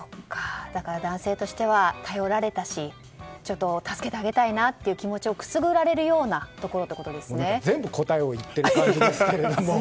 だから男性としては頼られたしちょっと助けてあげたいなという気持ちをくすぐられるような全部答えを言ってる感じですけど。